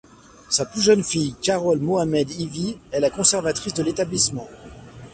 Sa plus jeune fille Carol Mohamed Ivy, est la conservatrice de l'établissement.